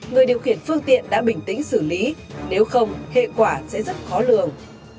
người điều khiển phương tiện đã bình tĩnh xử lý nếu không hệ quả sẽ rất khó lường